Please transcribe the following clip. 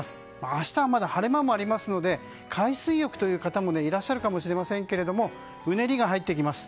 明日はまだ晴れ間もありますので海水浴という方もいらっしゃるかもしれませんがうねりが入ってきます。